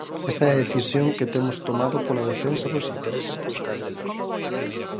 Esa é a decisión que temos tomado pola defensa dos intereses dos galegos.